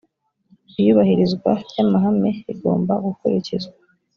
iyubahirizwa ry ‘amahame rigomba gukurikizwa.